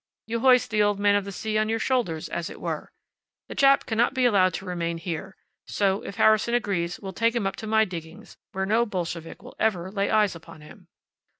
You hoist the Old Man of the Sea on your shoulders, as it were. The chap cannot be allowed to remain here. So, if Harrison agrees, we'll take him up to my diggings, where no Bolshevik will ever lay eyes upon him."